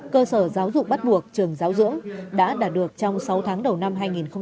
cơ sở giáo dục bắt buộc trường giáo dưỡng đã đạt được trong sáu tháng đầu năm hai nghìn hai mươi